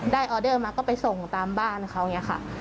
ออเดอร์มาก็ไปส่งตามบ้านเขาอย่างนี้ค่ะ